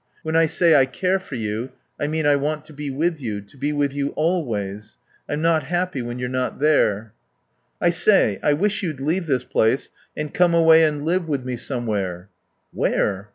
When I say I care for you I mean I want to be with you, to be with you always. I'm not happy when you're not there.... "... I say, I wish you'd leave this place and come away and live with me somewhere." "Where?"